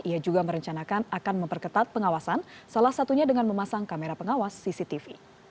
ia juga merencanakan akan memperketat pengawasan salah satunya dengan memasang kamera pengawas cctv